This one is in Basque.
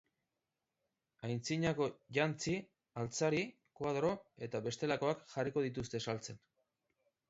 Antzinako jantzi, altzari, koadro eta bestelakoak jarriko dizute saltzen.